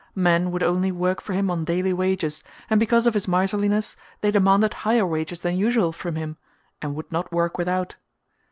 Men would only work for him on daily wages and because of his miserliness they demanded higher wages than usual from him and would not work without.